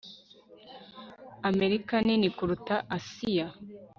amerika nini kuruta asia